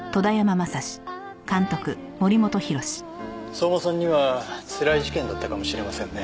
相馬さんにはつらい事件だったかもしれませんね。